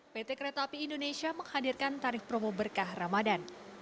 pt kereta api indonesia menghadirkan tarif promo berkah ramadan